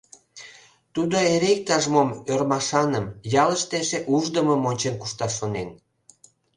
Тудо эре иктаж-мом ӧрмашаным, ялыште эше уждымым ончен кушташ шонен.